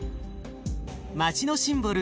街のシンボル